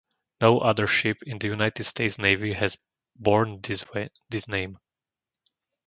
No other ship in the United States Navy has borne this name.